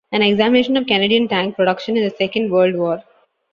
An examination of Canadian tank production in the Second World War.